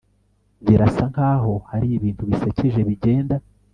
birasa nkaho hari ibintu bisekeje bigenda